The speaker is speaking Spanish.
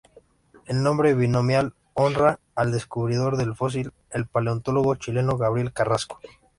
El nombre binomial honra al descubridor del fósil, el paleontólogo chileno Gabriel Carrasco.